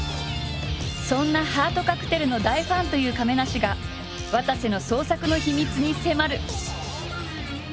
そんな「ハートカクテル」の大ファンという亀梨がわたせの創作の秘密に迫る！